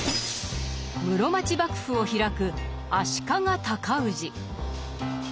室町幕府を開く足利尊氏。